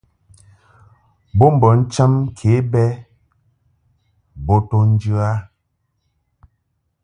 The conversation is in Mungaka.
Bo bə cham ke bɛ bo jə a.